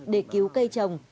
để cứu cây trồng